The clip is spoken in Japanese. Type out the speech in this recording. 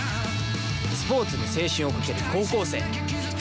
スポーツに青春をかける高校生。